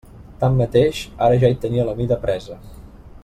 Tanmateix, ara ja hi tenia la mida presa.